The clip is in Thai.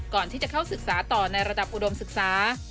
ก่อนที่จะเข้าศึกษาต่อในระดับอุดมศึกษา